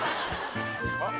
あっ！